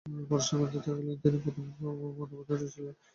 পররাষ্ট্রমন্ত্রী থাকাকালীন তিনি প্রথম উপ-প্রধানমন্ত্রীও ছিলেন।